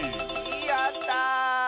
やった！